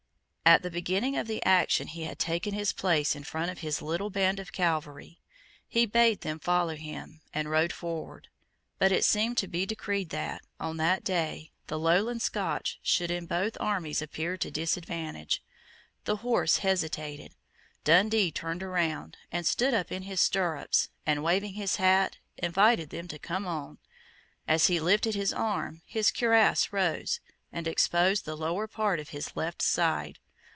At the beginning of the action he had taken his place in front of his little band of cavalry. He bade them follow him, and rode forward. But it seemed to be decreed that, on that day, the Lowland Scotch should in both armies appear to disadvantage. The horse hesitated. Dundee turned round, and stood up in his stirrups, and, waving his hat, invited them to come on. As he lifted his arm, his cuirass rose, and exposed the lower part of his left side.